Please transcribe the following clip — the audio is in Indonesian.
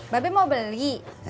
babe mau beli